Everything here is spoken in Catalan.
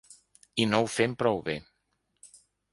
I no ho fem prou bé.